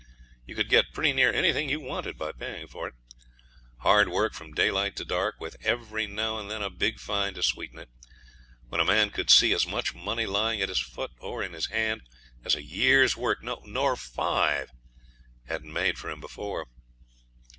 You could get pretty near anything you wanted by paying for it. Hard work from daylight to dark, with every now and then a big find to sweeten it, when a man could see as much money lying at his foot, or in his hand, as a year's work no, nor five hadn't made for him before.